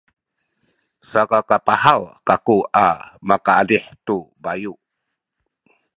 sakakapahaw kaku a makaazih tu bayu’.